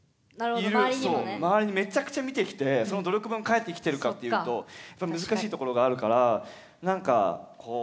周りにめっちゃくちゃ見てきてその努力分返ってきてるかっていうと難しいところがあるからなんかこうあ。